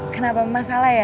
kenapa masalah ya